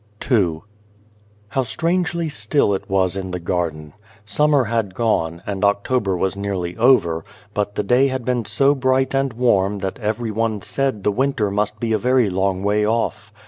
162 II How strangely still it was in the garden ! Summer had gone, and October was nearly over, but the day had been so bright and warm that every one said the winter must be a very long way off.